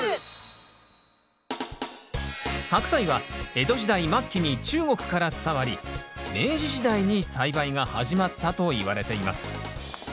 ハクサイは江戸時代末期に中国から伝わり明治時代に栽培が始まったといわれています。